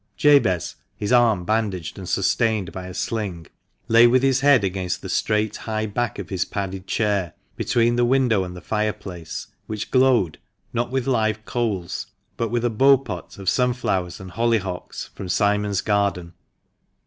Jabez, his arm bandaged and sustained by a sling, lay with his head against the straight, high back of his padded chair, between the window and the fireplace, which glowed, not with live coals, but a beau pot of sunflowers and hollyhocks from Simon's garden.